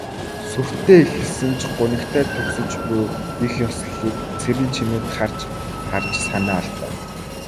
Сүртэй эхэлсэн ч гунигтай төгсөж буй их ёслолыг Цэрэнчимэд харж харж санаа алдав.